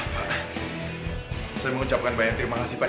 pak saya mau ucapkan banyak terima kasih pak